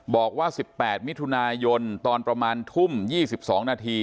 บอกว่า๑๘มิถุนายนตอนประมาณทุ่ม๒๒นาที